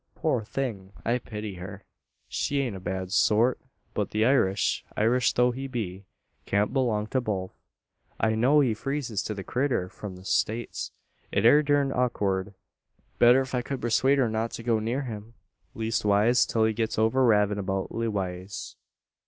Poor thing! I pity her. She ain't a bad sort. But the Irish Irish tho' he be can't belong to both; an I know he freezes to the critter from the States. It air durned awkurd Better ef I ked pursuade her not to go near him leastwise till he gets over ravin' about Lewaze.